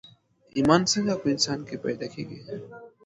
ايمان څنګه په انسان کې پيدا کېږي